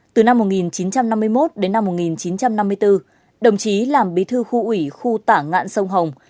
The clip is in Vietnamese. từ năm một nghìn chín trăm năm mươi một đến năm một nghìn chín trăm năm mươi bốn đồng chí làm bí thư khu ủy khu tả ngạn sông hồng